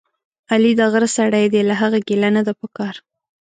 علي دغره سړی دی، له هغه ګیله نه ده پکار.